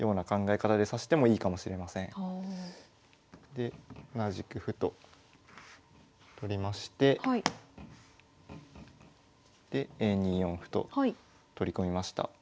で同じく歩と取りましてで２四歩と取り込みました。